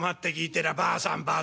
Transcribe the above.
てりゃばあさんばあさん。